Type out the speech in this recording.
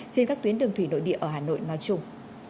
trên các tuyến đường thủy nội địa ở hà nội nói chung